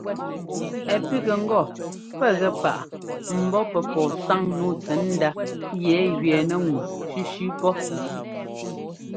Ɛ́ pígɛ ŋgɔ pɛ́ gɛ páꞌ ḿbɔ́ pɛ́ pɔ́ɔ sáŋ nǔu tsɛ̌ndá yɛ gẅɛɛnɛ́ ŋu sʉ́sʉ́ pɔ́.